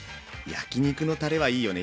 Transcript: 焼き肉のたれはいいよね。